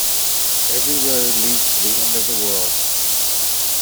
Every road leads to the end of the world.